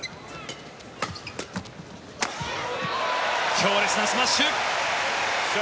強烈なスマッシュ！